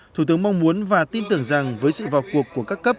thủ tướng mong muốn và tin tưởng rằng với sự vào cuộc của các cấp